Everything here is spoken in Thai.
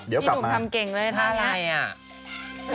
เดี๋ยวกลับมาท่าอะไรอ่ะที่หนุ่มทำเก่งเลยท่าอะไรอ่ะ